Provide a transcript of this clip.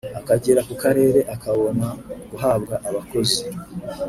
akagera ku karere akabona guhabwa abakozi